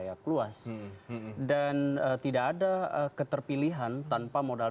itu di dalam sert refusal